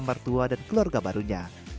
mertua dan keluarga barunya